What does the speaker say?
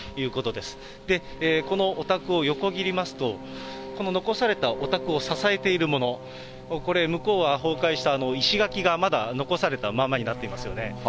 で、このお宅を横切りますと、この残されたお宅を支えているもの、これ、向こうは崩壊した石垣がまだ残されたままになっていますよね。